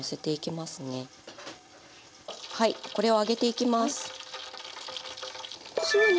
はいこれを揚げていきます。